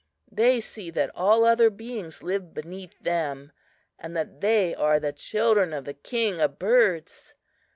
They see that all other beings live beneath them, and that they are the children of the King of Birds.